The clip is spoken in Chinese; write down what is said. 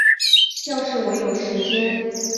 要是我有时间